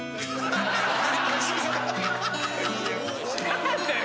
何だよ？